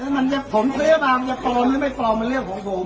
มันจะพร้อมหรือไม่พร้อมมันเรื่องของผมอ่ะ